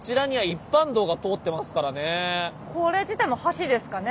これ自体も橋ですかね。